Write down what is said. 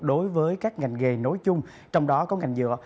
đối với các ngành nghề nói chung trong đó có ngành dựa